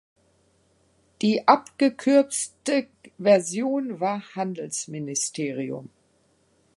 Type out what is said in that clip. Die abgekürzte Version war Handelsministerium.